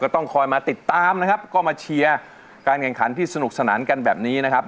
ต้องคอยมาติดตามนะครับก็มาเชียร์การแข่งขันที่สนุกสนานกันแบบนี้นะครับ